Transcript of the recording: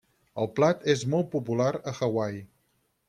El plat és molt popular a Hawaii.